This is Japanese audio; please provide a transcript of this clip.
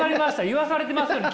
言わされてますよね？